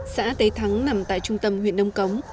xã tế thắng nằm tại trung tâm huyện nông cống